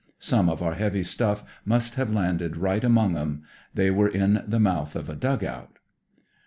Some of our heavy stuff must have landed right among 'em. They were in the mouth of a dug out.